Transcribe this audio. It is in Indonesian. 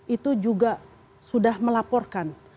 itu juga sudah melaporkan